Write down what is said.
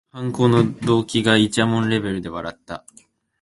犯行の動機がいちゃもんレベルで笑った